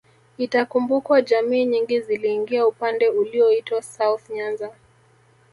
Itakumbukwa jamii nyingi ziliingia upande ulioitwa South Nyanza